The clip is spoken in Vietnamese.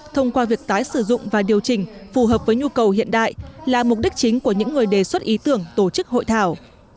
thông qua việc tái sử dụng và điều chỉnh phù hợp với nhu cầu hiện đại là mục đích chính của những người đề xuất ý tưởng tổ chức hội thảo